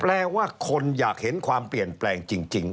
แปลว่าคนอยากเห็นความเปลี่ยนแปลงจริง